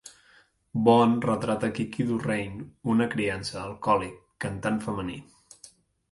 Bond retrata Kiki DuRane, una criança, alcohòlic, cantant femení.